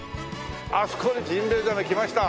あそこにジンベエザメ来ました。